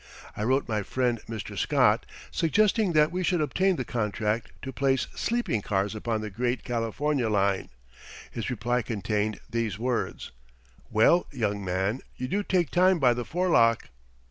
I wrote my friend Mr. Scott, suggesting that we should obtain the contract to place sleeping cars upon the great California line. His reply contained these words: "Well, young man, you do take time by the forelock."